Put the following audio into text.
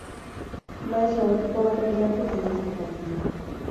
Maiz, logotipo baten bitartez identifikatzen da.